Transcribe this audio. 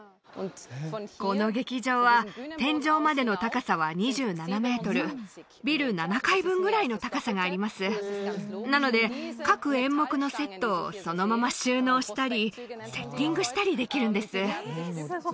この劇場は天井までの高さは２７メートルビル７階分ぐらいの高さがありますなので各演目のセットをそのまま収納したりセッティングしたりできるんです